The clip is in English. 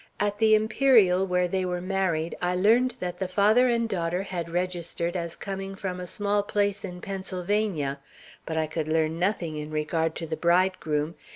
At the Imperial, where they were married, I learned that the father and daughter had registered as coming from a small place in Pennsylvania; but I could learn nothing in regard to the bridegroom.